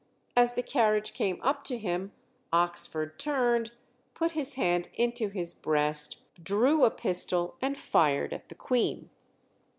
As the carriage came up to him Oxford turned, put his hand into his breast, drew a pistol, and fired at the Queen.